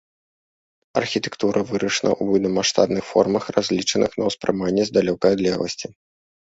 Архітэктура вырашана ў буйнамаштабных формах, разлічаных на ўспрыманне з далёкай адлегласці.